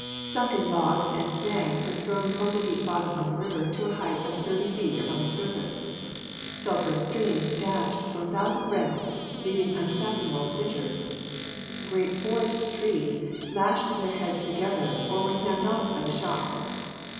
Sunken logs and snags were thrown from the deep bottom of the river to a height of thirty feet above the surface. Sulphurous streams dashed from a thousand rents, leaving unfathomable fissures. Great forest trees lashed their heads together, or were snapped off by the shocks.